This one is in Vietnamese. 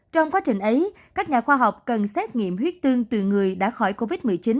trong quá trình ấy các nhà khoa học cần xét nghiệm huyết tương từ người đã khỏi covid một mươi chín